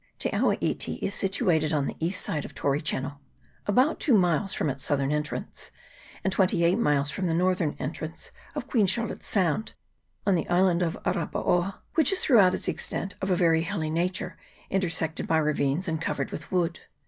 Te awa iti is situated on the east side of Tory Channel, about two miles from its southern entrance, and twenty eight miles from the northern entrance of Queen Charlotte's Sound, on the island of Arapaoa, which is throughout its extent of a very hilly na ture, intersected by ravines and covered with wood.